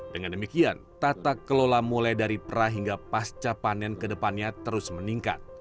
dengan demikian tata kelola mulai dari pra hingga pasca panen kedepannya terus meningkat